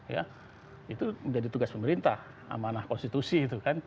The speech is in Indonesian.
ya itu menjadi tugas pemerintah amanah konstitusi itu kan